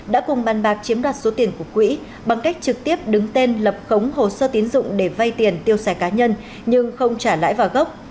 đã cùng bàn bạc chiếm đoạt số tiền của quỹ bằng cách trực tiếp đứng tên lập khống hồ sơ tiến dụng để vay tiền tiêu xài cá nhân nhưng không trả lãi vào gốc